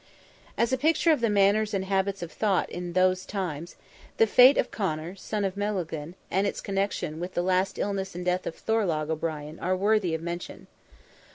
As a picture of the manners and habits of thought in those tunes, the fate of Conor, son of Melaghlin, and its connection with the last illness and death of Thorlogh O'Brien, are worthy of mention.